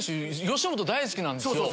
吉本大好きなんですよ。